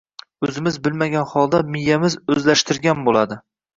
O’zimiz bilmagan holda miyamiz o’zlashtirgan bo’ladi.